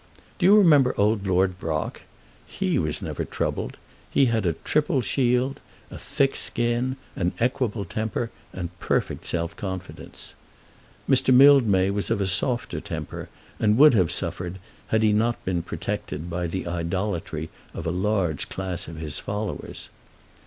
Do you remember old Lord Brock? He was never troubled. He had a triple shield, a thick skin, an equable temper, and perfect self confidence. Mr. Mildmay was of a softer temper, and would have suffered had he not been protected by the idolatry of a large class of his followers.